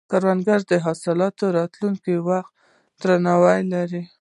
کروندګر د حاصل د راټولولو وخت ته درناوی لري